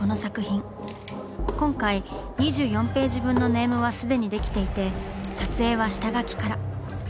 今回２４ページ分のネームは既にできていて撮影は下描きから。